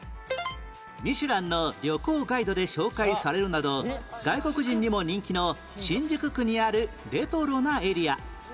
『ミシュラン』の旅行ガイドで紹介されるなど外国人にも人気の新宿区にあるレトロなエリア